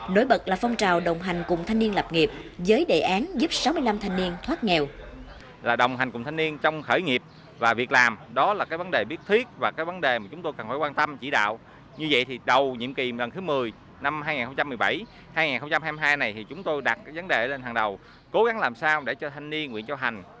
nối bật là phong trào đồng hành cùng thanh niên lập nghiệp với đề án giúp sáu mươi năm thanh niên thoát nghèo